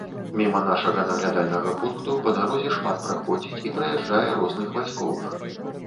Міма нашага наглядальнага пункту па дарозе шмат праходзіць і праязджае розных вайсковых.